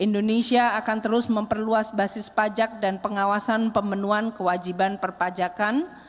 indonesia akan terus memperluas basis pajak dan pengawasan pemenuhan kewajiban perpajakan